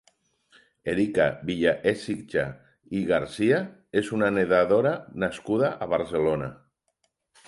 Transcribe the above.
Erika Villaécija i García és una nedadora nascuda a Barcelona.